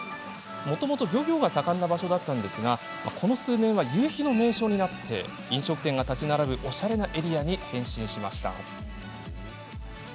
もともと漁業が盛んな場所なんですがここ数年、夕日の名所になって飲食店が建ち並ぶおしゃれなエリアに変身しました。